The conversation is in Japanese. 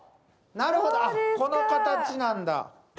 なるほど、この形なんだ。